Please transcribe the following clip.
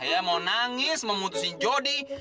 ya mau nangis memutusin jodi